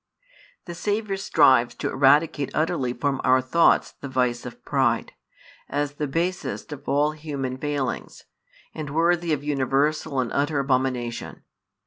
The Saviour strives to eradicate utterly from our thoughts |174 the vice of pride, as the basest of all human failings, and worthy of universal and utter abomination.